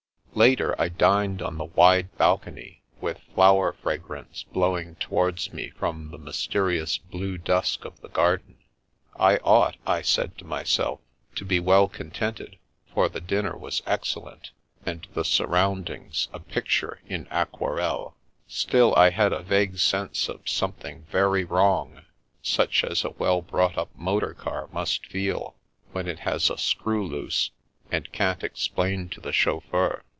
Later I dined on the wide balcony, with flower fragrance blowing towards me from the mysterious blue dusk of the garden, I ought, I said to myself, to be well conteirted, for the dinner was excellent, and the surroundings a picture in aquarelles. Still, I had a vague sense of something very wrong, such as a well brought up motor car must feel when it has a screw loose, and can't explain to the chauffeur.